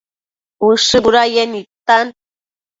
Ushë budayec nidtan